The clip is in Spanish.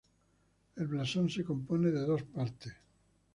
El blasón se compone de dos partes.